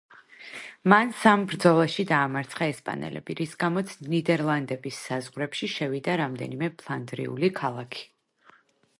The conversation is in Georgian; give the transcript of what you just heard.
მან სამ ბრძოლაში დაამარცხა ესპანელები, რის გამოც ნიდერლანდების საზღვრებში შევიდა რამდენიმე ფლანდრიული ქალაქი.